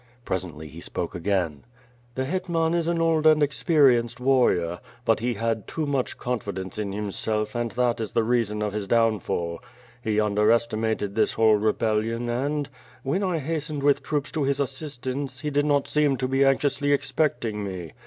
Presently he spoke again: ^gg WlfH FIRE AND SWORb. ^'The Hetman is an old and experienced warrior, but he had too much confidence in himself and that is the reason of his downfall. He underestimated this whole rebellion and, when 1 hastened with troops to his assistance, he did not seem to be anxiously expecting me.